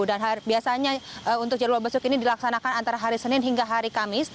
dan biasanya untuk jadwal besuk ini dilaksanakan antara hari senin hingga hari kamis